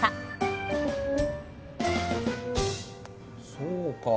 そうか。